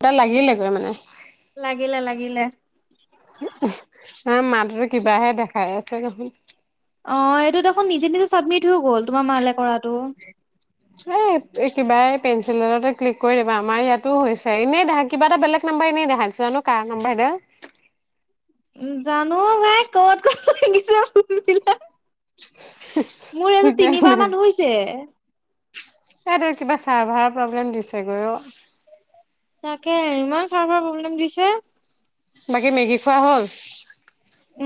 এটা লাগিলেগৈ মানে। লাগিলে লাগিলে। হা মাতো কিবাহে দেখাই আছে দেখোন। অ এইটো দেখোন নিজে নিজে চাবমিট হৈ গ'ল তোমাৰ মালে কৰাটো। এ কিবাই পেঞ্চিলতে ক্লিক কৰি দিবা আমাৰ ইয়াতো হৈছে এনেই দেখাই। কিবা এটা বেলেগ- নাম্বাৰ এনেই দেখাইছে নো কা নাম্বাৰ [unintelligible] জানো মাই ক'ত ক'ত শুনিছ। [unintelligible] মোৰ এইটো ঠিক নাই তিনিবাৰ মান হৈছে। এইয়াত কিবা চাৰ্ভাৰৰ প্ৰব্লেম দিছে গৈ অ। তাকে ইমান চাৰ্ভাৰ প্ৰব্লেম দিছে। বাকী মেগী খোৱা হ'ল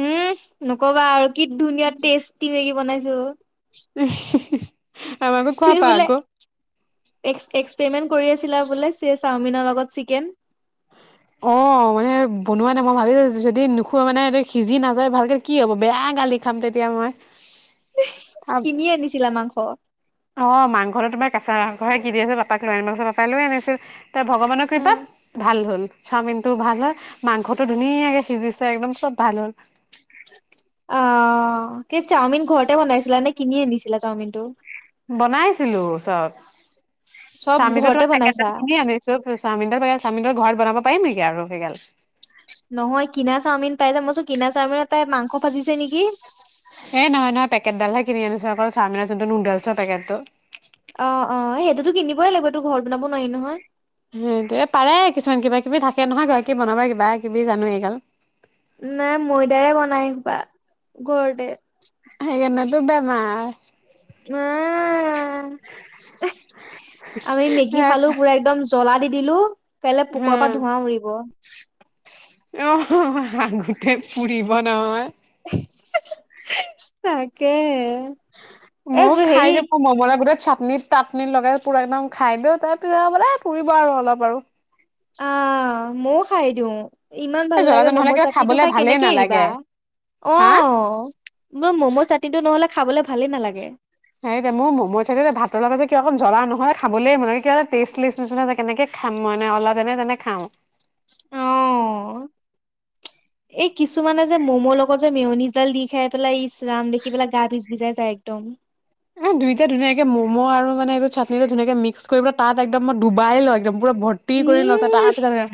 উম নকবা আৰু কি ধুনীয়া টেষ্টি মেগি বনাইছো। আমাকো খোৱাবা আকৌ। ্ এক্স পেমেন্ট কৰি আছিলা বোলে চাওমিনৰ লগত চিকেন। অঁ। মানে বনোৱা নাই মই ভাবিছো যদি নুখোৱা মানে এই সিজি নাযায় ভালকৈ কি হ'ব বেয়া গালি খাম তেতিয়া মই। কিনি আনিছিলা মাংস? অ মাংসটো তোমাৰ কেঁচাং মাংস কিনি [unintelligible] আছে পাপাক লৈ আনিব কৈছা পাপাই লৈ আনিছিল। আনিছে। তই ভগৱানৰ কৃপাত ভাল হ'ল চাওমিন- টো ভাল হয় মাংসটো ধুনীয়াকে সিজিছে একদম চব ভাল হ'ল। অ কি চাওমিন ঘৰতে বনাইছিলা। নে কিনি আনিছিলা চাওমিনটো? বনাইছিলো চব। চব চাওমিনটো ঘৰতে তোমাৰ পেকেদ [unintelligible] বনাইছা? কিনি আনিছো। চাওমিনৰ পেকেড চাওমিন ঘৰত বনাব পাৰিম নেকি আৰু। সেইগাল। নহয় কিনা চাওমিন পাই যে। মই চোন কিনা চাওমিনতে মাংস ভাজিছে নেকি। এ নহয় নহয় পেকেডালহে কিনি আনিছো অকল চাওমিনৰ যোনটো নুডলছৰ পেকেটটো ত কিনিবই লাগিব তো ঘৰ বনাব নোৱাৰি নহয় সেইটো পাৰে কিছুমান কিবা কিবি থাকে নহয় গৰাকী বনাবা কিবা কিবি জানো এই গাল। নাই ময়দাৰে বনাই এহোপা, ঘৰতে। [unintelligible] উম'। আমি মেগি খালো পুৰা একদম জ্বলা দি দিলো। কাইলে পোকৰ পৰা ধোঁৱা উৰিব। অ', আগতে পুৰিব নহয়। তাকে। এই মইও খাই হেৰি দিম মলমলাই গোটেই চাটনিত তাত্নি লগাই পুৰা একদম খাই দিলো তাৰপিছত বুলে পুৰিব আৰু অলপ আৰু। অ', মইও খাই দিওঁ, ইমান ভাল এই লাগে জ্বলাটো নহ'লে ম'ম' কিবা চাটনিটো খাবলে খাই ভালেই কেনেকে এৰিবা? নালাগে হা আহ মোৰ ম'ম' চাটনিটো নহলে খাবলৈ ভালেই নালাগে। সেই মোৰ ম'মৰ চাটনি যে ভাতৰ লগত যে কিয় অকন জ্বলা নোহোৱাকে খাবলে মানে কিবা এটা টেষ্ট [unintelligible] কেনেকে খাম মানে অলপ যেনে তেনে খাওঁ। অ [unintelligible] এই কিছুমানে যে ম'ম' লগত যে মেয়নিজডাল দি খাই পেলাই ইচ ৰাম দেখি পেলাই গা বিজ বিজাই যায়। তম এ দুইটা ধুনীয়াকে ম'ম' আৰু মানে এইটো চাটনিটো ধুনীয়াকে মিক্স কৰি লৈ তাত একদম মই ডুবাই লওঁ একদম। পুৰা ভৰ্তি কৰি লৈ উম তাৰপিছত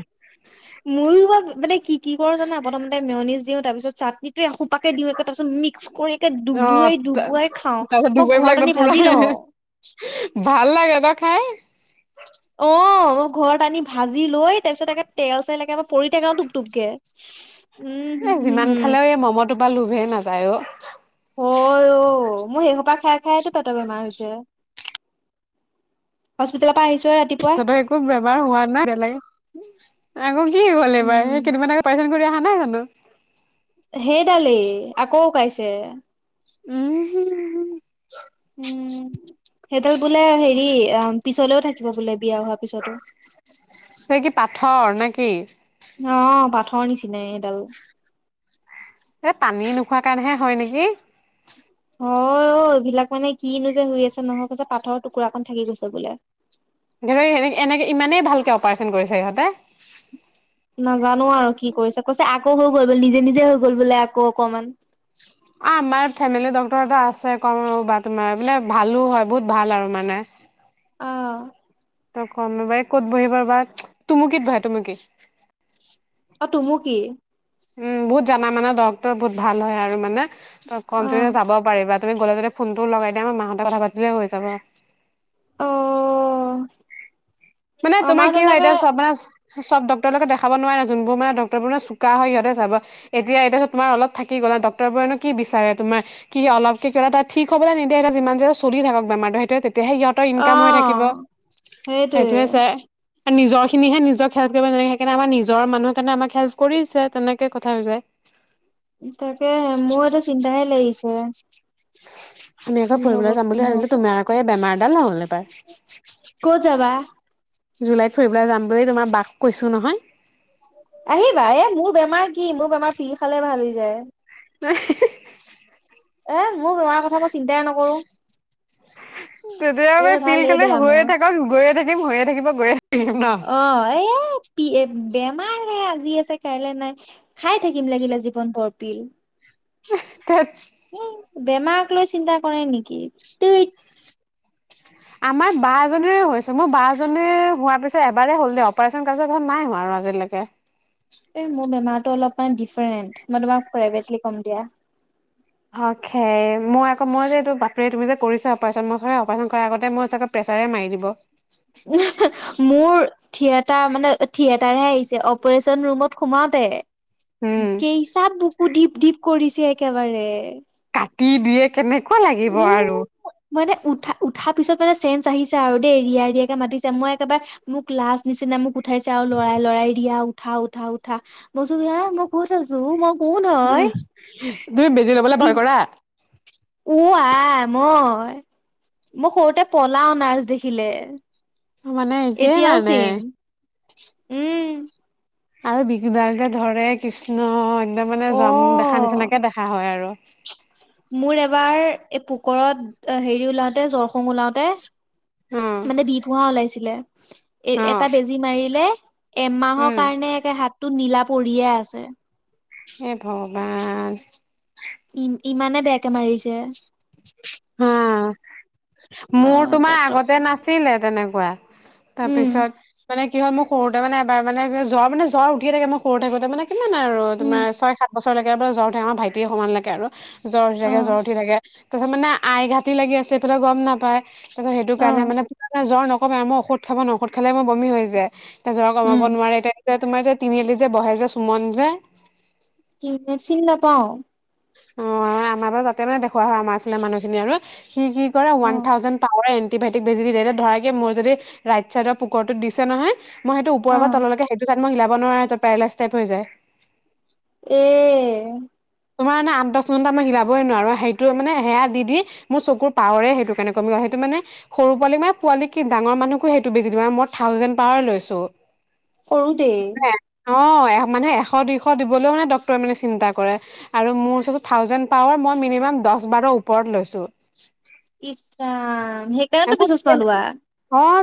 ময়ো মানে কি-কি কৰো জানা প্ৰথমতে মেয়নিজ দিওঁ তাৰপিছত চাটনিটোয়ে এসোপা কে দিওঁ একে তাৰপিছত মিক্স কৰি ডুবোৱাই-ডুবোৱাই খাওঁ তাৰপিছত মই ডুবাই পেলাই ঘৰত একদম আনি পুৰা ভাজি লওঁ। ভাল লাগে দেই খাই। অ' মই ঘৰত আনি ভাজি লৈ তাৰ পিছত একে তেল চেল একেবাৰে পৰি থাকে ন টুপ-টুপকে। এ যিমান খালেও এই ম'ম'টো পা লোভে নাযায় অ। হয় অ, মোৰ সেইসোপা খাই-খাই টো পেটৰ বেমাৰ হৈছে। হস্পিটালত তুৰ তহ একো বেমাৰ হোৱা নাই বেলেগ? আকৌ কি হ'ল এইবাৰ। উম সেই কেইদিন মান আগত অপাৰেচন কৰি অহা নাই জানো? সেইডালেই আকৌ উকাইছে। উম'। উম', সেইডাল বোলে হেৰি অ, পিছলেও থাকিব বোলে বিয়া হোৱাৰ পিছতো। সেই কি পাথৰ নে কি? অ'। পাথৰ নিচিনাই এডাল। এই পানী নোখোৱা কাৰণেহে হয় নেকি? হয় অ'। অ', এইবিলাক মানে কিনো যে হৈ আছে নহয়, কৈছে পাঠৰ টুকুৰা অকন থাকি গৈছে বোলে। ধৰ এ-এনেকে ইমানেই ভালকে অপাৰেচন কৰিছে সিহঁতে? নাজানো আৰু কি কৰিছে, কৈছে আ আকৌ হৈ গ'ল বোলে, নিজে-নিজে হৈ গ'ল বোলে আকৌ অকমান। আ-আমাৰ ফেমিলি ডক্তৰ এটা আছে কম ৰবা তোমাৰ, বোলে ভালো হয় বহুত ভাল আৰু মানে। অ'। তই কম ৰবা এ ক'ত বহিব বা? তুমুকিত বহে তুমুকিত। অ', তুমুকি? উম', বহুত জানা মানা ডক্তৰ, বহুত ভাল হয় আৰু মানে, তহ অ কন্তিনিউ যাব পাৰি বাট তুমি গ'লে যাতে ফোনটো লগাই দিয়া, আমাৰ মাহঁতে কথা পাতিলে হৈ যাব। অ'। মানে আমাৰ তোমাৰ কি হয় তেনেকে এতিয়া চব মানে চব ডক্তৰঢ লগত দেখাব নোৱাৰা, যোনবোৰ মানে ডাঙৰবোৰ চোকা সিহঁতেহে চাবা, এতিয়া-এতিয়া চোৱা তোমাৰ অলপ থাকি গল ন? ডক্তৰবোৰেনো কি বিচাৰে তোমৰ কি অলপ কে কিবা তাৰ ঠিক হবলৈ নিদিয়ে, সিঁহতে যিমান যি হলো চলি থাকক বেমাৰটো সেই তেতিয়াহে সিহঁতৰ অ ইনকাম হৈ থাকিব। সেইটোৱে সেইটোয়ে চাই। আৰু নিজৰ খিনিয়েহে নিজক হেল্প কৰিব। তেনেকে সেইকাৰণে আমাৰ নিজৰ মানুহৰ কাৰণে আমাক হেল্প কৰিছে। তেনেকুৱা কথা হৈ যায়। তাকে হে, মোৰ এতিয়া চিন্তাহে লাগিছে। [unintelligible] আমি কি আকৌ হব ফুৰিবলৈ যাম কি বুলি ভাবিলে নহব তুমাৰ আকৌ এই বেমাৰডাল নহ'ল নে পায়। ক'ত যাবা জুলাইত ফুৰিবলৈ যাম বুলি তোমাৰ বাক কৈছো নহয়। আহিবা। এ মোৰ বেমাৰ কি, মোৰ বেমাৰ পিল খালে ভাল হৈ যায়। হিহিহ! এ মোৰ বেমাৰ কথা মই চিন্তাই নকৰো। তেতিয়া হলে এ ভাল পিল এই খালে বেয়া হৈয়ে মোৰ থাকক, গৈয়ে থাকিম, হৈয়ে থাকিব, গৈয়ে থাকিম ন অঁ এ বেমাৰ হে আজি আছে কাইলৈ নাই। খাই থাকিম লাগিলে জীৱন ভৰ পিল। ধেত। এ বেমাৰক লৈ চিন্তা কৰে নেকি? ঠুইত। আমাৰ বা এজনীৰে হৈছিল, মোৰ বা জনীৰ হোৱাৰ পিছত এবাৰে হ'ল দেই, অপাৰচন কৰাৰ পিছত দেখোন নাই হোৱা আৰু আজিলৈকে। এই মোৰ বেমাৰটো অলপমান ডিফাৰেণ্ট। মই তোমাক প্ৰাইভেটলি কম দিয়া। অখেই। মই আকৌ মই যে এইটো বাপৰে তুমি যে কৰিছা অপাৰচন। মই চাগে অপাৰচন কৰাৰ আগতে মই চাগে প্ৰে চাৰে মাৰি দিব। উমহো মোৰ থিয়েটাৰ মানে থিয়েটাৰ হে আহিছে অপাৰচন ৰুমত সোমাওতে উম কেইচাত বুকু ধিপ ধিপ কৰিছে একেবাৰে। কাটি দিয়ে কেনেকুৱা উ লাগিব আৰু। মানে উঠা উঠা পিছত মানে চেন্ঞ্চ আহিছে আৰু দেই ৰিয় ৰিয় মাতিছে মই একেবাৰে মোক লাজ নিচিনা মোক উঠাইছে আৰু লৰাই লৰাই দিয়া। উঠা উঠা উঠা মইচো হ মই কত আছো মই কোন উম হয় তুমি বেজি লবলে ভয় কৰা উ আহ মই মোৰ সৰুতে পলাও নাৰ্ছ দেখিলে। মানে একেই এতিয়াও মানে চিম উম। আৰু বিহু দাল ধৰে কৃষ্ণ তে মানে অ যাম দেখা নিচিনাকে দেখা হয় আৰু ওকৰত হেৰি ওলাওতে জৰখং ওলাওতে উম মানে বিপোহা ওলাইছিলে এ অ এটা বেজী মাৰিলে। এমাহৰ উম কাৰণে একে হাতটো নীলা পৰিয়ে আছে। এ ভগৱান ই ইমানে বেয়াকে মাৰিছে। হ মোৰ আহ তোমাৰ ডক্তৰ আগতে নাছিলে তেনেকুৱা। তাৰ উম পিছত মানে কি হ'ল মোৰ সৰুতে মানে এবাৰ মানে জ্বৰ মানে জ্বৰ উঠিয়ে থাকে মই সৰু থাকোতে মানে কিমান আৰু উম তোমাৰ ছয় সাত বছৰলৈকে ব জ্বৰ উঠে আমাৰ ভাইটি সমানলৈকে আৰু জ্বৰ উথি অ থাকে জৰ উথি থাকে তাৰপিছত মে আই ঘাটি লাগি আছে এইফালে গম নাপায় তাৰপিছত সেইটো অ কাৰণে মানে জ্বৰ ন। ক'ম আৰু মই ঔষধ খাব ন ঔষধ খালে মই বমি হৈ যায় জ্বৰ কমাব উম নোৱাৰে এতিয়া যেয়া তোমাৰ যে তিনিআলি যে বহে যে সুমন যে। চি নাপাও। অ আমাৰ পৰা যাতে মানে দেখুওৱা হয় আমাৰ ফালে মানুহখিনি আৰু সি কি কৰে অ ওৱান থাউজেণ্ড পাৱৰে। তি ভটক বেজি দি দিয়া ধৰাই কি মোৰ যদিই চাইডৰ পুুৰটো দিছে নহয় মই সটো অ ওপৰৰ পৰা তলে সেইটো তাত মই মিলাব নোৱাৰা পেৰালাইজ টাইপ হৈ যায়। এ তোমাৰ মানে আঠতা ছটা মই হিলাবইৱাৰো সেইটো মানে সেয়া দি মোৰ চকুৰ পাৱৰে সেইটো কাৰণে কমি সেইটো মানে সৰু পোৱালি মানে পোৱালি কি ডাঙৰ মানুহকো সেইটো বেছি দিব মান মই থাউজেণ্ড পাৱাৰ লৈছো। সৰু দেই অ মানে এশ দুইশ দিবলৈও মানে ডক্তৰে মানে চিন্তা কৰে। আৰু মোৰ ওচৰত থাউজেড পাৱাৰ মই মিনিমাম দহ বাৰ ওপৰত লৈছো। ইচ্ছ ৰাম সেইকাৰণেতো পিছৰ চোৱা লোৱা।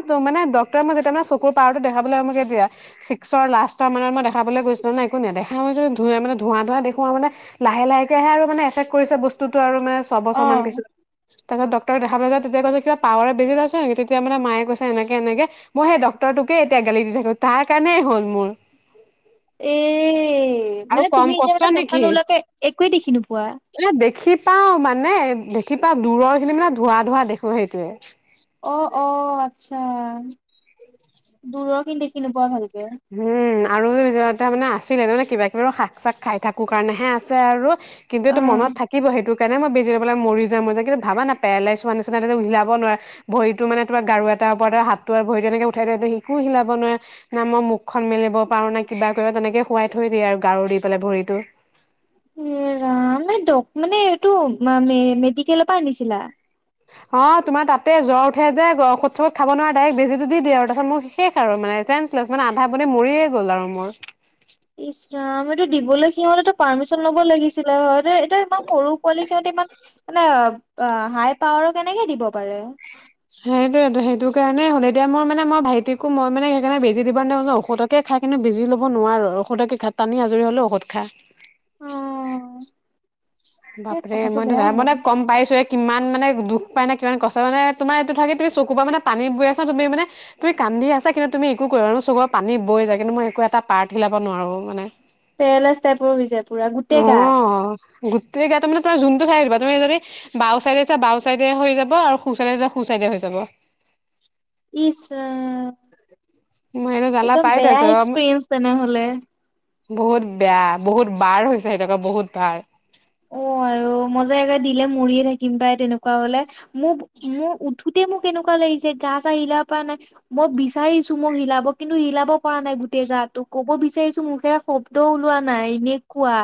ত মানে ডক্তৰে মই যেতিয়া মান চকুৰ পাৱাৰটো দেখাবলৈকে দিয়া ছিক্সৰ লাষ্টৰ মানত মই দেখাবলৈ গৈছিলো নাই একো ন দেখা ম যদি ধ মান ধোৱা ধোৱা দেখুৱা মানে লাহে লাহে মানে এফেক্ট কৰিছে বস্তুতটো আৰু তে অ ছয়ছৰান পিছত তাৰ পিছত ডক্তৰক দেখা পলৈ যায় তেতিয়া কয় যে কিবা পাৱাৰে বেজি লৈছে তেতিয়া মানে মায়ে কৈছে এনেকে এনেকে মই সেই ডক্তৰটোকে এতিয়া গেলি দি থাকো তাৰ কাৰণে। হ'ল মোৰ উ এ আৰু মানে কম তুমি কষ্ট এতিয়াতে চচমা নেকি নোলোৱাকে একোৱেই দেখি নোপোৱা। মানে দেখি পাও মানে দেখি পাও দূৰৰ খিনি মানে ধোৱা ধোৱা দেখো সেইটোৱে অ অ আচ্ছা দূৰ খিনি দেখি নোপোৱা ভালকে। উম আৰু মানে আছিলে তানে কিবা কিবি শাক চাক খাই থাকো কাৰণেহে আছে আৰু কিন্তু অ এইটো মনত থাকিব সেইটো পাননে মই বেজি হৈ পেলাই মৰি যাম কিন্তু ভাবা ন পেৰালাইছ হোৱা নিচিনা যে হিলাব নোৱাৰে ভৰি মানে তোমাৰ গাৰু এটা তাৰ পৰত আৰু হাতটো আৰু ভৰি তেনেকে উঠাই দিয় স শিকো হিলাব নোৱাৰে ন মই মুক খন মেলিব পাৰো নে কিবা কৰিব তেনেকে শুৱাই থৈ দিয়ে আৰু গাৰু দি পেলাই ভৰিতটো এ ৰাম দ মানে এইটো মেডিকেলৰ পৰা আনিছিলা অ তোমাৰ তাতে জ্বৰ উঠিয়াই যে ঔধ চত খাব নোৱাৰা ডাইৰেক্ বেছি দি দিয়ে তপাছত মোক শেষ আৰু মানে চ মানে আধা বান মৰিয়ে গ'ল আৰু মোৰ টো দিবলৈ সিহঁতে পাৰ্মিচন ল'ব লাগিছিলে হয় এটো ইমান সৰু পোৱালি সিহঁতে ইমান মানে অ হাই পাৱাৰ কেনেকে দিব পাৰে সেইটোয়ে সেইটো কাৰণে হ'ল এতিয়া মোৰ মানে মই ভাইটিকো মই মানে সেইকাৰণে বেজি দিব নিদো নহয় ঔষধকে খাই কিন্তু বিজি ল'ব নোৱাৰো ঔষধকে খা টানি আজৰি হ'লেও ঔষধ খা অ ধেত বাপৰে কথাটো মইতো জ বেয়া মই হ'ল ত গম পাইছো এ কিমান মানে দুখ উপাই নাই কষ্ট মানে তোমাৰ এইটো থাকে তুমি চকুৰপৰা পানীবৈ আহে তুমি কান্দি আছা কিন্তু তুমি একো চবৰ পানী বৈ যায় কিন্তু মই একো এটা পাৰ্ট হিলাব নোৱাৰো মানে পেৰেলাইছ টাইপৰ হৈছে পুৰা অ' গোটেই গা গোটেই গা তোমান তম যোনটো চাই থিব তুম বাও চাইডে যা বাও চাইডে হৈ যাব আৰু হুচাইড চাইডে যা হু চাইে তে হৈ যাব ইছ ৰাম মই এনে জ্বালা একদম পাই বেয়া থাইছো এক্সপিৰিয়েঞ্চ তেনেহলে বহুত বেয়া বহুত বাৰ হৈছে সিনেকোৱা বহুত বাৰ অ আৰু মই যে একে দিলে মৰিয়ে থাকিম পাই তেনেকুৱা হলে মোক মোৰ উঠোতে উঠোতে মোৰ কেনেকুৱা লাগিছে গা চা হিলাব পৰা নাই মই বিচাৰিছো মোক হিলাব কিন্তু হিলাব পৰা নাই গোটেই য তো ক'ব বিচাৰিছো মোখেৰে শব্দ ওলোৱা নাই এনেকুৱা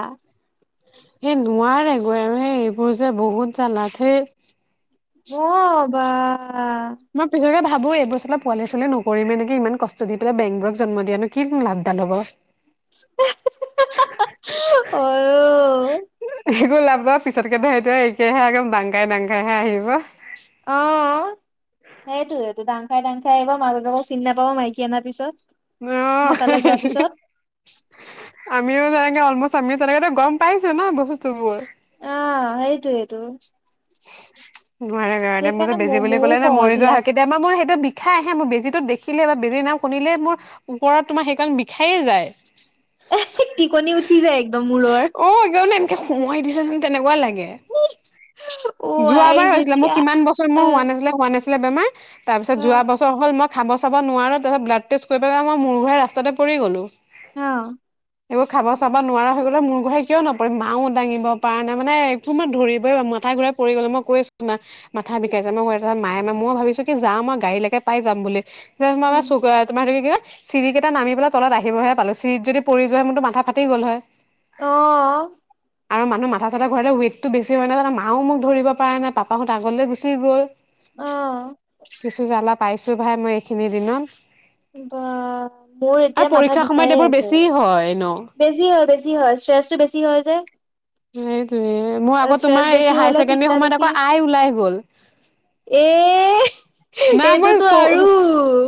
সেই নোৱাৰে গৈ আৰু সেই এইবোৰ যে বহুত জালাথেই অ বা মই পিছতকে ভাবো এইবছৰলে পোৱালি চোৱালি নকৰিমে নেকি ইমান কষ্ট দি পেলাই বেংবোৰক জন্ম দিয়া নো কি লাভডাল হ'ব [inaudible] অ'। ওলাব পিছতকে ভাই তই এতিয়াহে আগে ডাংখাই দাংখাইহে আহিব অ সেইটোৱে ডাঙ খাই ডাং খাই আহিব মা দেউতাকক চিনি নাপাব মাইকী অনা পিছত অ মতালে যোৱাৰ পিছত। আমিও যাংগে অলমষ্ট আমিও তেনেকেতো গম পাইছো ন বস্তু বোৰ অ সেইটোৱেই টো [unintelligible] নোৱাৰে কাৰনে মোৰ যে ম বেজি বুলি ময়ো ক'লে না কওঁ মৰি যোৱা এইবিলাক হয় কেতিয়াবা মোৰ সেইটো বিষাই আহে মোৰ বেজীটো দেখি দেখিলে বা বেজিৰ নাম শুনিলে মোৰ ওপৰত তোমাৰ সেইকাৰণে বিষায়ে যায় এ টিকনি উঠি যায় একদম মোৰৰ। ত সোমোৱাই দিছে যেন তেনেকুৱাই লাগে। অ' যোৱা আই বাৰ হৈছিলে মোৰ যেতিয়া কিমান বছৰ মোৰ হোৱা অ' নাছিলে হোৱা নাছিলে। বেমাৰ তাৰ পিছত যোৱা অ' বছৰ হল মই। খাব চাব নোৱাৰো তাৰ পাছত ব্লাড টেষ্ট কৰিব যাওঁতে মই মোৰ ঘোৰাই ৰাস্তাতে পৰি গলো। অ একো খাব চাব নোৱাৰা হৈ গ'লে মূৰ ঘোৱাই কিয় নপৰিম মাও দাঙিব পৰা নাই মানে কোনো ধৰিবই মাথা ঘূৰাই পৰি গ'ল মই কৈছো মাক মাথা বিষাইছে মূৰ ঘূৰাইছে ভাবিছো কি যাম আৱ গাড়ীলেকে পাই উম। যাম। [unintelligible] চিৰিকেইটা নামি পেলাই তলত আহিবহে পালো ছিৰিত যদি পৰি যোৱা হয় মোৰতো মাথা ফাটি গল হয়। অহ। আৰু মানুহ মাথা চাথা ঘূৰাতে ৱেইটটো বেছি হয় জানা মাও মোক ধৰিব পৰা নাই পাপাহঁত আগলৈ গুচি গ'ল। অ' কিছু জ্বালা পাইছো ভাই মই এইখিনি দিনত। বা মোৰ আৰু এতিয়া মাথা পৰীক্ষাৰ সময়ত বিষায়ে এইবোৰ আছে। বেছি হয় ন বেছি হয়, বেছি হয় ষ্ট্ৰেছটো বেছি হয় যে। এইটোয়ে মোৰ আকৌ ষ্ট্ৰেচ তোমাৰ এই বেছি হাই হলে ছেকেণ্ডৰী চিন্তা সময়ত বেছি আকৌ আই ওলাই গ'ল। এ মা মই এইটোতো চ আৰু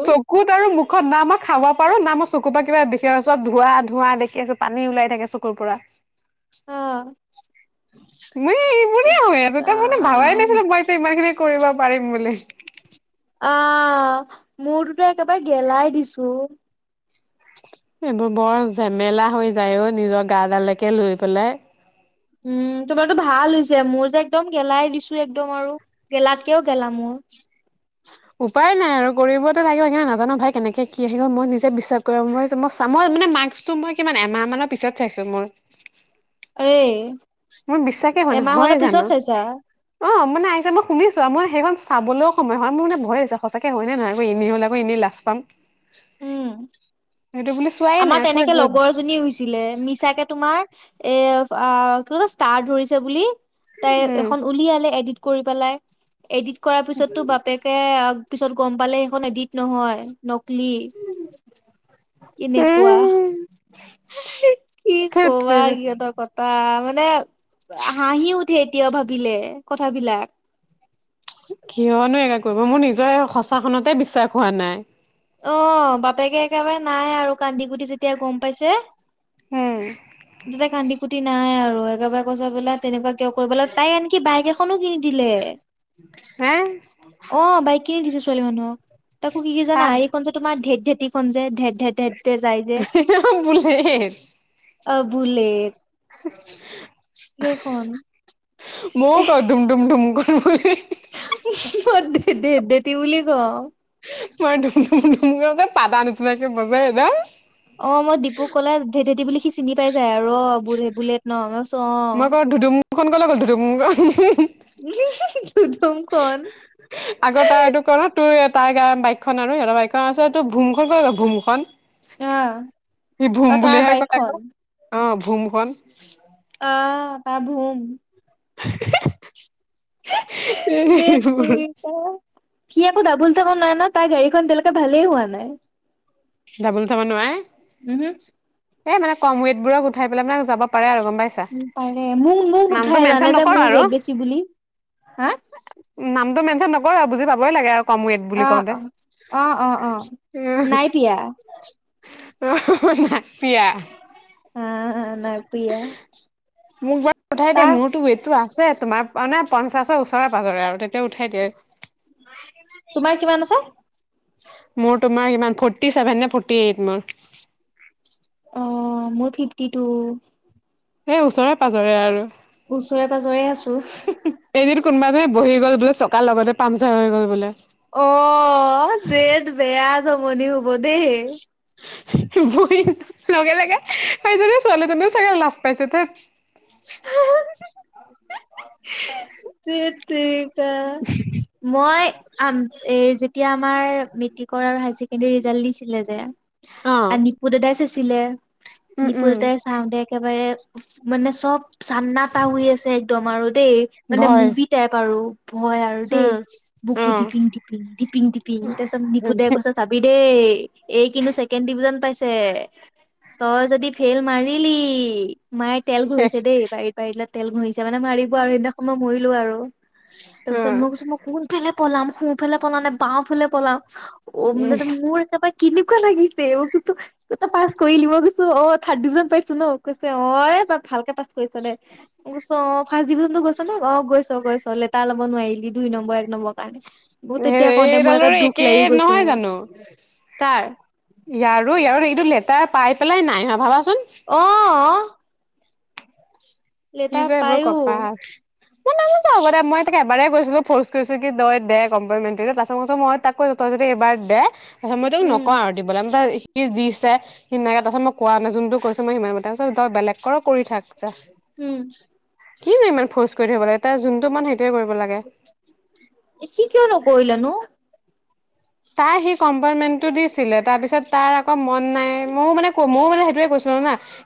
চকুত আৰু মুখ খত না মই খাব পাৰো না মই চকুুৰ পৰা কিবা দেখিব সব ধোঁৱ ধোৱা দেখি আছো পানী ওলাই থাকে চকুৰ পৰা। [inaudible] অ' মই ই ইচ হৈ আছ তাৰ মানে ভাৱাই ৰাম নাছিলো মই যে ইমান খিনি। কৰিব পাৰিম বুলি। আহ মোৰটো একেবাৰে গেলাই দিছো। এইবোৰ বৰ ঝেমেলা হৈ যায় অ নিজৰ গাডালেকে লৈ পেলাই। উম তোমাৰো ভাল হৈছে মোৰ যে একদম গেলাই দিছো একদম আৰু গেলাত। কিয় গেলাম মোৰ। উপায় নাই আৰু কৰিবতে লাগিব ন নাজানো ভাই কেনেকে কি আহি গ'ল মই নিজে বিশ্বাস কৰিব মই মই চামই। মানে মাৰ্কটো মই কিমান এমাহ মানৰ পিছত চাইছো মোৰ। এই। মোৰ বিশ্বাসে ম ন এমাহ হয় মানৰ পিছত জানো। চাইছা অ মানে আহিছে মই শুনিছো মই। সেইখন চাবলৈও সময় হয় মোৰ মে ভয় সঁচাকে হয় নে নহয়, এনে হ'ল আকৌ এনেই লাজ পাম। উম। সেইটো বুলি চোৱাই আমাৰ নাই থৈ তেনেকে দিলো লগৰ জনী হৈছিলে মিছাকে তোমাৰ এ কি ক ষ্টাৰ ধৰিছে বুলি উম তাই এখন উলিয়ালে এডট। কৰি পেলাই এডিট কৰাৰ পিছতো বাপেকে পিছত গম পালে সেইখন এডিট নহয় নকলি? উম। কেনেকুৱা, কি ধেৎ কবা তেৰি সিহঁতৰ কথা। মানে হাঁহি উঠে এতিয়া ভাবিলে কথাবিলাক। কিয়নো এ কৰিব মোৰ নিজৰ সঁচাখনতে বিশ্বাস হোৱা নাই। অ বাপেকে একেবাৰে নাই আৰু কান্দি গুটি যেতিয়া গম পাইছে। উম যাতে কান্দি কুটি নাই আৰু একেবাৰে কৈছো বোলে তেনেকুৱা কিয় কৰিব লাগ তাই এনকি বাইক এখনো কিন দে, হে অ বাইক কিনি দিছে। ছোৱালী মানুহক তাকো কি কি জানা তাত এই কন যে তোমাৰ ধেত তেতি কন যে ধে ধতেতে যাই যে, বুলেট অ বুলেত। মৌ ক ডুম তুম তুম ক ম মই দে দে দেতি বুলি ক। মই ধুম ধুম ধুমুক যে পাতা নুচিনাকে বজাই ন। অ মই দীপুক কলে ধে ধেতি বুলি, সি চিনি পাই যায় আৰু ৰ ব বুলেট ন ম চ অ ফোন কলে গ'ল ত ত মোক উম হে হে।। আকৌ তাই এইটো কৰ তোৰ। তাৰ গ বাইকখন আৰু সিহঁতৰ বাইকখন আল তো ভোমখন ক ভুমখন আহ সি অ ভোম তাৰ বুলিহে বাইকখন কলে অ ভোম খন। অ তাৰ ভোম। [inaudible] দেতি ক। সি আকো ডাবোল উঠাব নোৱাই নহয় তাৰ গাড়ীখন এতিয়ালৈকে ভালেই হোৱা নাই। ডাবল উঠাব নোৱাৰে। উম হু। এই মানে কম ৱেটবোৰক উঠাই পেলাই মানে যাব পাৰে আৰু পাইছা পাৰে মোক মোক নামটো নুঠাই মেনচন জানে যে নকৰো মোৰ আৰু ৱেইট বেছি বুলি হা। নামটো মেনচন নকৰে আৰু বুজি পাবই লাগে আৰু ৱেত বুলি অ কওঁতে অ অ অ অ উম নাই পিয়া [unintelligible] অ নাই প্ৰিয়া। মোক বাৰু পঠাই দে মোৰতো ৱেটটো আছে। তোমাৰ মানে পঞ্চাশৰ ওচৰে পাজৰে আৰু তেতিয়া উঠাই দিয়ে তোমাৰ কিমান আছে মোৰ তোমাৰ ইমান ফৰ্টি ছেভেন নে ফৰ্টি এইট মোৰ অ মোৰ ফিফটি টু এ ওচৰে পাজৰে আৰু ওচৰে পাজৰে আছো এদিন কোনোবা এজনে বহি গ'ল বোলে চকাৰ লগতে পামচাৰ হৈ গ'ল বোলে। অ দেত বেয়া যমনি হ'ব দেই বহি পোৱা লগে লগে এইজনী ছোৱালীজনীও চাগে লাজ পাইছে থেইত। হা হা থেইত তেৰি মই যেতিয়া আমাৰ মেট্ৰিকৰ আৰু হায়াৰ ছেকেণ্ডৰী ৰিজাল্ট দিছিলে যে অ নিপু দাদাই যে আনিছিলে উম নিপু উম দাদাই চাওঁতে একেবাৰে মানে চব চান্নাটা হৈ আছে একদম আৰু দেই মানে ভয় মুভি টাইপ আৰু ভয় আৰু দেই উম অ বুকু দিপিং দিপিং দিপিং দিপিং তাৰপিছত নিপু দাই কৈছে চাবি দেই এই কিন্তু ছেকেণ্ড ডিভিজন পাইছে তই যদি ফেইল মাৰিলি মায়ে তেল শেষ ঘঁহিছে দেই বাৰীত বাৰীতত তেল ঘঁহিছে দেই মানে মাৰি আৰু সেইদিনাখন মই মৰিলো আৰু অ তাৰপিছত মই কৈছো মই কোনফালে পলাম নাম সুফালে পলাও নে বাওঁফালে পলাও অ মানে উম। যে মোৰ একেবাৰে কেনেকুৱা লাগিছে মই কছো পাছ কৰিলি মই কৈছো অ থাৰ্ড ডিভিজন পাইছো ন কৈছে অ ভালকে পাছ কৰিছ দে মই কৈছো অ ফাৰ্ষ্ট ডিভিজনতো গৈছো নে অ গৈছ গৈছ। লেটাৰ ল'ব নোৱাৰিলি দুই নম্বৰ এক নম্বৰ কাৰণে বহত তেতিয়া কওঁতে মোৰ এটা এইডালৰো দুখ একে লাগি গৈছে নহয় জানো কাৰ ইয়াৰো ইয়াৰ এইটো লেটাৰ পাই পেলাই নাই ভাবাচোন অ কি লেটাৰ যে এইবোৰ পায়ো কপাল মই ন হ'ব দে মই থাকে এবাৰে কৈছিলো ফৰ্ছ কৰিছো কি তই দে কম্পাৰ মেন্টাল মই তাক কৈছো তই যদি এইবাৰ দে আচ্ছা মই তোক উম নকওঁ আৰু দিবলে দিছে সিনাকে তাৰপিছত কোৱা নাই যোনটো কৈছো মই সিমান তিছত বেলেগ কৰি থাক যা উম। কি নো ইমান ফৰ্চ কৰি থাকিব লাগে তাৰ যোনটো মন সেইটো সি কিয় নকৰিলেনো? তাৰ সি কম্পাৰমেন্টটো দিছিলে তাৰ পিছত তাৰ আকৌ মন নাই ময়ো মানে ক ময়ো মানে সেইটোয়ে কৈছো।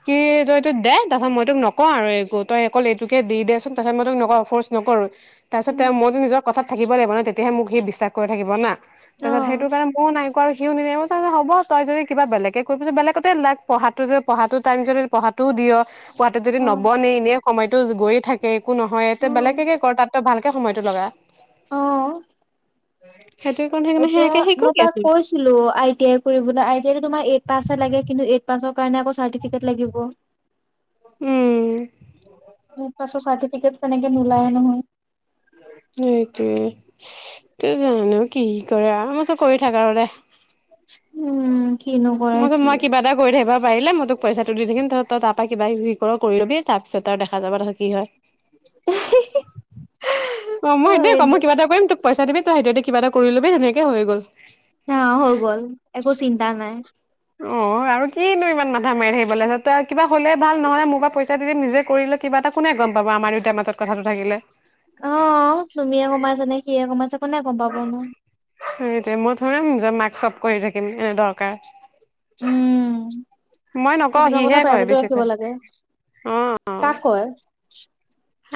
কি তই তোক দে তাৰপিছত মই তোক নকও আৰু তই অকল এইটোকে দি দেচোন তাৰপিছত মই তোক নকওঁ। ফ'ৰ্চ নকৰো। তাৰ পিছত উম, তেওঁ মইতো নিজৰ কথাত থাকিব লাগিব ন তেতিয়াহে মোক সি বিশ্বাস কৰি থাকিব না? তাৰপিছত অ'। সেইটো কাৰণ ময়ো নাই কোৱা সিও [unintelligible] হ'বই যদি কিবা বেলেকে [unintelligible] বেলেগতে লাগ পঢ়াটো টাইম যদি পঢা টো দিয়ক পুৱাতে যদি অ'। নবনে এনেই সময়তো গৈয়ে থাকে একো নহয় তো অ', বেলেগে কৰ। তাতো ভাল একে সময়টো লগা। অ'। সেইটো কাৰণে সেইকাৰণে এতিয়া সেয়াকে সি মই কৰি তাক আছে কৈছিলো আই টি আই কৰিবলৈ আই টি আই তোমাৰ এইট পাছ হে লাগে কিন্তু এইট পাছৰ কাৰণে আকৌ চাৰ্টিফিকেট লাগিব। উম এইট পাছৰ চাৰটিফিকেট তেনেকে নোলাই নহয়। সেইটোৱে। তই জানো কি কৰে আৰু মই কৈছো কৰি থাক। [unintelligible] উম'। কিনো কৰে মইচ সি। মই কিবা এটা কৰি [unintelligible] পাৰিলে মই তোক পইচাটো দি থাকম তহ ত পৰা কিবা কি কৰ কৰি ল'বি তাৰপিছত আৰু দেখা যাব তহ কি হয়। অ', মই এটিয়ে কওঁ, মই কিবা এটা কৰিম তোক পইচা দিবিই সিহঁতে কিবাটা কৰি ল'বি তেনেকে হৈ গ'ল। না হৈ গ'ল, একো চিন্তা নাই। অ', আৰু কিনো ইমান মাথা মাৰি আহাকিব তই কিবা হলে ভাল নহ'লে মোৰ পৰা পইচা দি দিম নিজে কৰিলে কিবা এটা কোনে গম পাবা আমাৰ দেউত মাজত কথাটো থাকিলে। অ', তুমিয়ে কমাইছানে সিয়ে কমাইচে। সেইটোৱে মই থৰী না মাক চব কৰি থাকিম এনে দৰকাৰ। উম, মই নকওঁ কিছুমান কথা সিহে কয় প্ৰাইভেটো ৰাখিব বেছিকৈ। লাগে। অ অ কাক কৈ?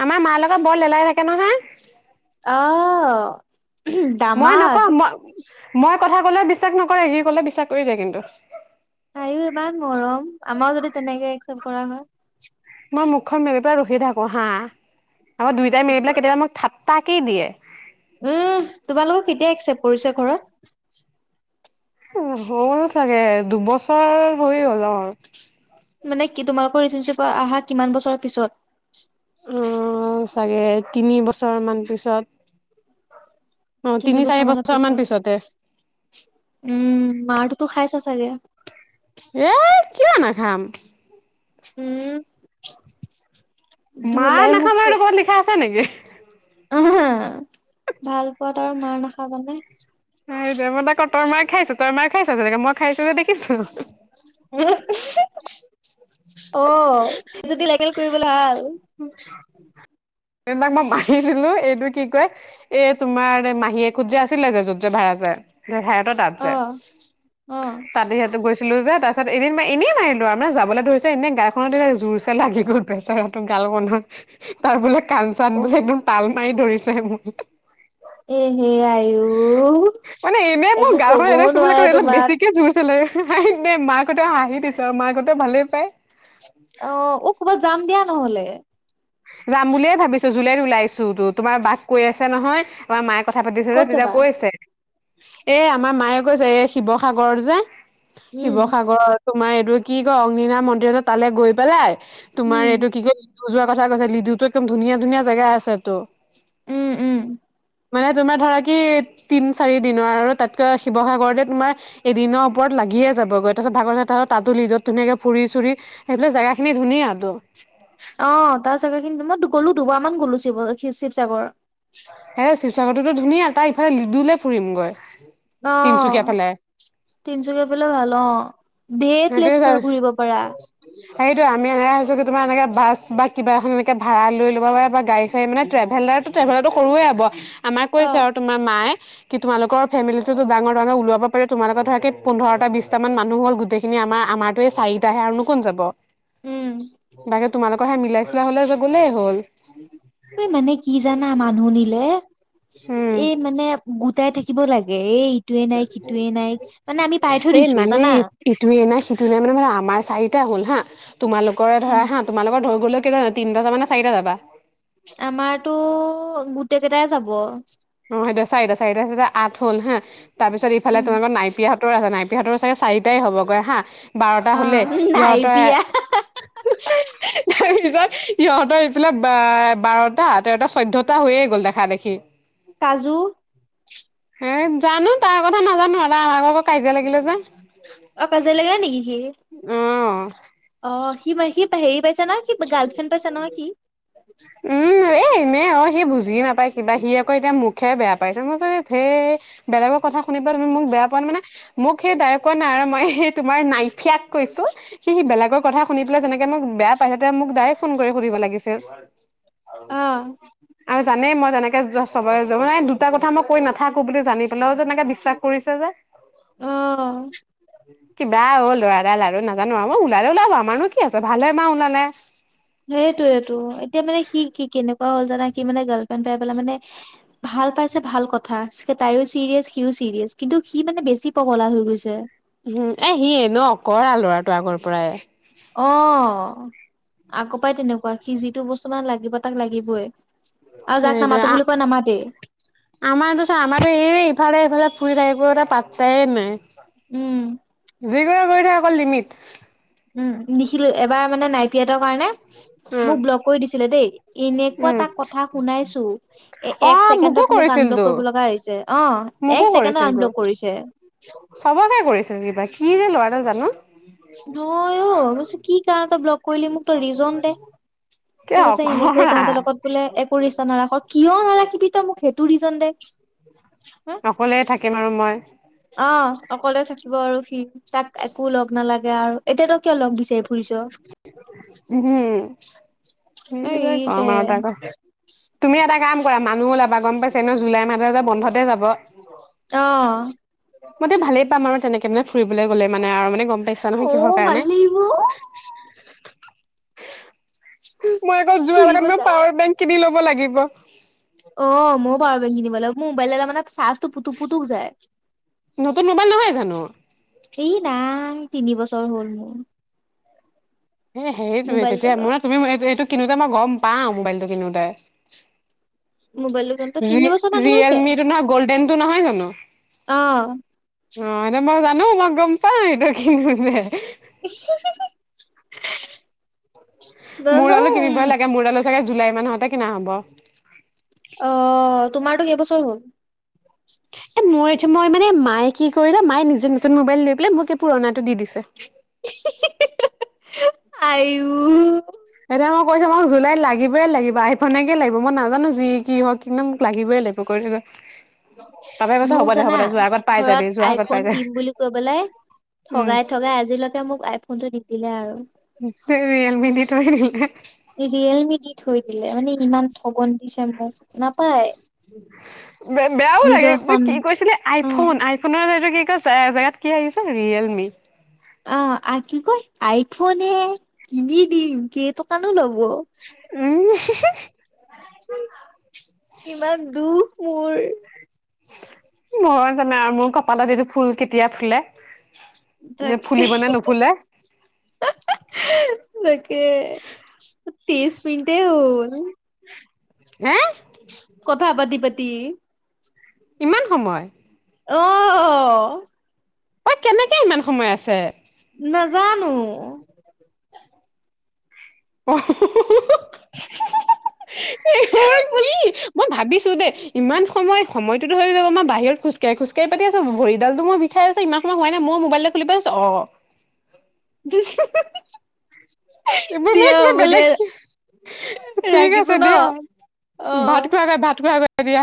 আমাৰ মাৰ লগত বৰ লেলাই থাকে নহয়। অ'। মই নকওঁ, মই-মই কথা কলে বিশ্বাস নকৰে সি কলে বিশ্বাস কৰি দিয়ে কিন্তু। তায়ও ইমান মৰম, আমাৰও যদি তেনেকে একচেপ্ট কৰা হয়। মই মুখখন মেলি পেলাই ৰখি থাকো হা, আকৌ দুইটাই মেলি পেলাই কেতিয়াবা মোক থ তাকি দিয়ে। উম', তোমালোকৰ কেতিয়া একছেপ পৰিছে ঘৰত? হ'ল চাগে দুবছৰ হৈ গ'ল অ'। মানে কি তোমালোকৰ ৰিচনশ্বিপ আহা কিমান বছৰৰ পিছত? অ, চাগে তিনি বছৰ মান পিছত। অ তিনি চাৰি বছৰ মানৰ মান পিছত, পিছতে উম', মাৰটোতো খাই চা চাগে। এ কিয় নাখাম। উম'। মাৰ ধুলাই নাখাম আৰু এটো ক'ত লিখা আছে নেকি? অ', ভাল পোৱাত আৰু মাৰ নাখাবানে? মই তাক কওঁ তই মাৰ খাইছো তই মাৰ খাইছ তেনেকে মই খাইছো নে দেখিছো। উম'। অ', যদি লেল কৰিবলৈ ভাল। [unintelligible] তাক মই মাহী দিলো এইটো কি কয়, এই তোমাৰ মাহীয়েকোত যে আছিলে যে যদি ভাড়া যায়, সেই ভাড়াটো তাত অ যায়। অ তাতে এইটো ছিলো যে তাৰপিছত এদিন মই এনেই মাৰিলো আৰু মানে যাবলৈ ধৰিছে এনে গাখনত এ জোৰ চে লাগি গল। বেছেৰাটো গাল হুনমত তাৰ বোলে কাণ চান বোলে একদম তাল মাৰি ধৰিছে মো এহে আই। মানে এনে মোৰ গাল খন কবও এনে চুবলে ক নোৱাৰে অলপ তোমাক বেছিকে জোৰ চে ন মাকঁতে হাঁহি দিছে আও মাকহঁতে ভালেই পায়। অ-অ ক'বাত যাম দিয়া নহলে। যাম বুলিয়ে ভাবিছো, জুলাইত ওলাইছো টো। তোমাৰ বাক কৈ আছে নহয় আমাৰ মাই। কথা পাতিছে যে ক'ত তেতিয়া যাবা কৈছে, এ আমাৰ মায়ে কৈছে এই শিৱসাগৰত যে উম শিৱসাগৰৰ তোমাৰ এইটো কি কয় অগ্নিনাভ মন্দিৰটো তালৈ গৈ পেলাই তোমাৰ উম এইটো কি কয় লিডু যোৱা কথা কৈছে। লিডুটো একদম ধুনীয়া-ধুনীয়া জেগা আছেটো। উম, উম। মানে তোমাৰ ধৰা কি তিন, চাৰি দিনৰ আৰু তাতকৈ শিৱসাগৰতে তোমাৰ এদিনৰ ওপৰত লাগ লাগিয়ে যাবগৈ। তাৰপিছত ভাগৰ তাতো লিডুত ধুনীয়াকে ফুৰি চুৰি সেইফালে জেগা খিনি ধুনীয়াটো। অ তাৰ চাগে, কিন্তু মই গ'লো দুবাৰ মান গ'লো শিৱ শিৱচাগৰ। এ শিৱচাগৰটোতো ধুনীয়া তাই ইফালে লিডে ফুৰিমগৈ। অ, তিনচুকীয়া ফালে তিনচুকীয়া ফেলেওঁ ভাল অ। ঢেৰ প্লেছ আছে ঘূৰিব পাৰা। সেইটো আমি এনেকে হৈছো কি তোমাৰ এনেকে বাছ বা কিবা এখন ভাড়া লৈ লব পাৰা বা গাড়ী চাৰি মানে টেভেল ট্ৰেভেলাৰটো সৰুয়ে হব। আমাৰ কৈ আছে অ'। আৰু তোমাৰ মাই কি তোমালোকৰ ফেমিলিটোটো ডাঙৰ হৈ ন, ওলাব পাৰা। তোমালোকৰ ধৰা কি পোন্ধৰটা, বিছটা মান মানুহ হ'ল গোটেই খি আমাৰ আমাৰতো এই চাৰিটাহে। আৰুনো কোন যাব? উম, বাকী তোমালোক কে মিলাই চিলাই হলে যা গলেই হ'ল। এই মানে কি জানা? মানুহ নিলে উম, এই মানে গোটাই থাকি থাকিব লাগে। এই ইটোৱে নাই সিটোৱে নাই মানে আমি পাই থৈ এ দিছো মানে জানা। ইটোৱে নাই সিটো নাই মানে মে আমাৰ চাৰিটা হ'ল হা। তোমালোকৰে ধৰা উম। হা, তোমালোকৰ ধৰি গলেও কে তিনিটা যাবা নে চাৰিটা যাবা? আমাৰতো গোটেই কেইটাই যাব। অ হেটোৱে। চাৰিটা চাৰিটা চিটা আঠ হল হা তাৰ পিছত ইফালে উম, তোমাক নাইপিয়া তৰ আছে নাইপিয়াহতৰো চাগে চাৰিটাই হ'বগৈ হা। বাৰটা অ হলে। নাই সিহঁতৰ বিয়া তাৰ পিছত সিহঁতৰ এইফিলাক বাৰটা, তেৰটা, চৈধ্যটা হৈয়ে গ'ল দেখা দেখি। কাজু হে জানো, তাৰ কথা নাজানো। দাদা আমাৰ লগত আকৌ কাজিয়া লাগিলে যে। অ কাজিয়া লাগিলে নেকি সি? অ। অ সি মাই সি প হেৰি পাইছে নহয় সি গাৰ্লফ্ৰেণ্ড পাইছে নহয় সি। উম এনেই অ সি বুজ জি নাপায় কিবা। সি আকৌ এতিয়া মোকহে বেয়া পায়। মই কৈছোঁ ধেই বেলেগৰ কথা শুনিবা তুমি মোক বেয়া পোৱা মানে। মোক সি দাইৰেক কোৱা নাই আৰু মই সেই তোমাৰ নাইফিয়াক কৈছো। সি বেলেগৰ কথা শুনি পেলাই যেনেকে মোক বেয়া পাইছে মোক ডাইৰেক্ ফোন কৰি সুধিব লাগিছিল। অঁ। আৰু জানেই মই যেনেকে চব দুটা কথা মই কৈ নাথাকো বুলি জানি পেলাইও যে তেনেকে বিশ্বাস কৰিছে যে। অ', [inaudible] কিবা অ ল'ৰাডাল আৰু নাজানো আৰু ওলালে ওলাব। আমাৰনো কি আছে, ভালহে পাওঁ ওলালে। সেইটোয়েইেটো এতিয়া মানে কি কি কেনেকুৱা হ'ল, জানা? সি মানে গাৰ্লফ্ৰেণ্ড পাই পেলাই মানে ভাল পাইছে ভাল কথা। তাইয়ো চিৰিয়াছ, সিও ছিৰিয়াছ কিন্তু সি মানে বেছি পগলা হৈ গৈছে। উম এ সিয়ে এনেও অঁকৰা ল'ৰাটো আগৰ পৰাই। অ আকৌ পৰাই তেনেকুৱা সি যিটো বস্তু মান লাগিব তাক লাগিবই আৰু যাক সেইটোোৱে নামাতো বুলি কয় নামাতেই আমাৰত চ আমাৰো এই ইফালে ইফালে ফুৰি থাক পাত্তাইে নাই। উম কৰি থ অকল লিমিট উম নিখিলো এবাৰ মানে নাই। সিহঁতৰ কাৰণে উম মোক বল্লক কৰি দিছিলে দেই এনেুৱা উম ত কথা শুনাইছো। অ এক মোকো ছেকেণ্ডত মোক কৰিছিল আনব্লক তো কৰিব লগা হৈছে অ এক ছেকেণ্ডত আনব্লক কৰিছে। চবতে কৰিছে কিবা কি যে লৰাডাল জানো। নই অ ম কি কাৰণ এটা ব্লক কৰিলি মোক ত ৰিজন দে। কিয় ঠিক আছে এনে কৰো অকৰা তহঁতৰ লগত বোলে একো ৰিচ্ছা নাৰাখ কিয় নাৰাখিবি তই মোক সেইটো ৰিজন দে হা অকলে থাকিম আৰু মই কলে থাকিব আৰু সি তাক একো লগ নালাগে আৰু এতিয়াতো কিয় লগ বিচাৰি ফুৰিছ। উম এ ই সছে যে কমাৰ ত আকৌ। তুমি এটা কাম কৰা মানুহ ওলাবা গম পাইছা এ ন জুলাই মাহতে যে বন্ধতে যাব। আহ মইতি ভালেই পাম আৰু তেনেকেনে ফুৰিবলৈ গ'লে মানে আৰু মানে গম পাইছা অ নহয় কিহৰ ভাল কাৰণে লাগিব মই আকৌ যোৱাৰ আগত ফুৰিব মই যাম পাৱাৰ বেংক কিনি লব লাগিব। অ ময়ো পাৰো বেং কিনিবল মোৰ মোবাইল মানে চাৰ্জটো পুুক পুতুক যায়। নতুন মোবাইল নহয় জানো। এই নাাম তিনি বছৰ হ'ল মোৰ। এ সেৰিটোয়ৱে মোবাইল তেতিয়া ডালৰ মান তুমি এই এইটো কিনোতে মই গম পাওঁ মোবাইলটো কিনোতে। মোবাইল কিনোতে ৰি তিনিবছৰ মানুহ হৈছে ৰিয়েলমিটো নহয় গ'ল্ডেনটো নহয় জানো অহ। অ এনে মই জানো মই গম পা এইটো কিনোতে। [unintelligible] মোৰ আলু জানো কিনিব লাগে মোৰ আলু চাগে জুলাই মাহতে কিনা হ'ব। অ তোমাৰতো কেইবছৰ হ'ল? [inaudible] মই এইটো মই মানে মায়ে কি কৰিল মায়ে নিজে নতুন মোবাইল লৈ পেলাই মোক পুৰণাটো দি দিছে। ই সিঃ সিঃসিঃ আইও এতিয়া মই কৈছো মোক জুলাইত লাগিবই লাগিব আইফনেকে লাগিব মই নাজানো যি কি হওক কিন্তু মোক লাগিবই লাগিব কৈ থলো। মোক জানা যোৱাৰ আগত পাই যাবি ঘৰত যোৱাৰ আগত পাই আইফোন যাবি দিম বুলি কৈ পেলাই উম ঠগাই ঠগাই আজিলৈকে মোক আইফোন টো দি দিলে আৰু। ৰিয়েলমি‌ দি‌ থৈ দিলে। ৰিয়েলমি দি থৈ দিলে মানে ইমান ঠগন দিছে মোক নাপায়। ব বেয়াও লাগে নিজৰ ত সন কি কৈছিলে অ', আইফোন আইফোন কি কৈছে জেগাত কি আহিছে ৰিয়েলমি। অ আ কি কয় আইফোন কিনি দিম কেইটোকানো ল'ব। উম কিমান দুখ মোৰ। মই জানো আৰু মোৰ কপালত এইটো ফুল কেতিয়া ফুলে? নে তাকে ফুলিব নে [unintelligible] নুফুলে [unintelligible] তাকে তিছ মিনটে‌ হল। হে কথা পাতি পাতি। ইমান সময়। অহ অ অই কেনেকে ইমান সময় আছে? নাজানো? [inaudible] অহ [unintelligible] কি মই ভাবিছো দেই ইমান সময় সময়টোতো হৈ যাব মই বাহিৰত খোজকাঢ়ি খোজকাঢ়ি পাতি আছো ভৰি এডালটো মোৰ বিষায় আছে ইমান সময় হোৱাই নাই মই মোবাইলে খুলি চাইছো অ। দু [unintelligible] এইবাৰ মই কিবা বেলেগ ঠিক ৰাখিছো আছে ন দিয়া অ ভাত খোৱা নাই ভাত খোৱা গে দিয়া।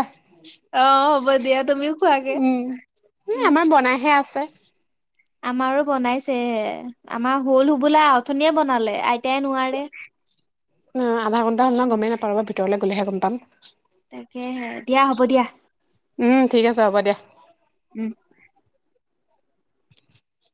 অ হ'ব দিয়া তুমিও খোৱাগে উম এই উম আমাৰ বনাইহে আছে। আমাৰো বনাইছেে আমাৰ হল হুবোলা আথনিয়ে বনালে আইতাই নোৱাৰে। ন আধা ঘন্টা হল নহয় গমেই নাপাও বা ভিতৰলে গ'লেহে গম পাম। তাকেহে দিয়া হ'ব দিয়া। উম ঠিক আছে হ'ব দিয়া। উম